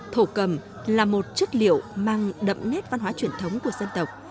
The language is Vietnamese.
thổ cầm là một chất liệu mang đậm nét văn hóa truyền thống của dân tộc